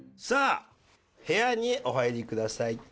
さあ部屋にお入りください。